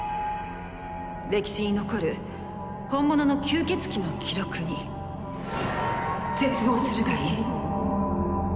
歴史に残る本物の吸血鬼の記録に絶望するがいい。